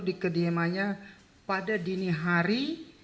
dikediamannya pada dini hari